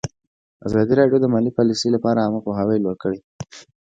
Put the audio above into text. ازادي راډیو د مالي پالیسي لپاره عامه پوهاوي لوړ کړی.